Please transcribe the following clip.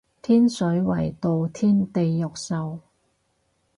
天水圍墮天地獄獸